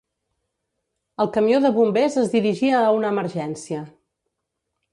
El camió de bombers es dirigia a una emergència.